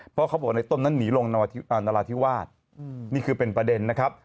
เพราะเขาบอกว่าในต้นนั้นหนีลงนราธิวาสนี่คือเป็นประเด็นนะครับ